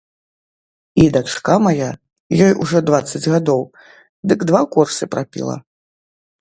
І дачка мая, ёй ужо дваццаць гадоў, дык два курсы прапіла.